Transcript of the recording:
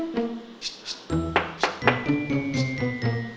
ใครคะ